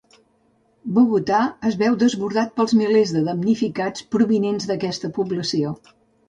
Bogotà es veu desbordat pels milers de damnificats provinents d'aquesta població.